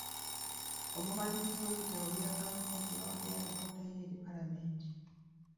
Omubalirizi w'ebitabo bya gavumenti yawaddeyo alipoota ye eri paalamenti.